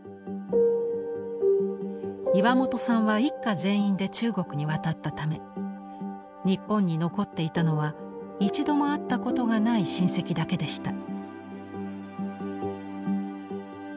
岩本さんは一家全員で中国に渡ったため日本に残っていたのは一度も会ったことがない親戚だけでした。